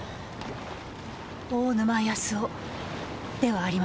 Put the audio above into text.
大沼安雄ではありませんか？